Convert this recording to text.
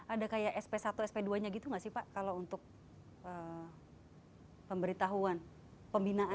ada kayak sp satu sp dua nya gitu gak sih pak kalau untuk pemberitahuan pembinaan